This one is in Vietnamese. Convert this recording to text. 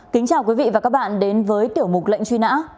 kính chào quý vị và các bạn đến với tiểu mục lệnh truy nã